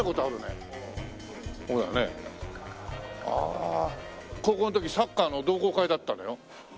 ああ高校の時サッカーの同好会だったのよ。